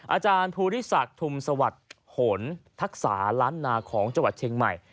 อาจารย์ภูริษักส์ธุมสวรรคทักษารันดร์ของเจาะเชียงใหม่